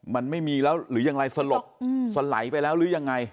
มันไม่มีแล้วหรือยังไรสลบสไหลไปแล้วหรือยังไง